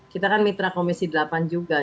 kita kan mitra komisi delapan juga